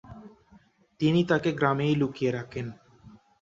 তিনি তাকে গ্রামেই লুকিয়ে রাখেন।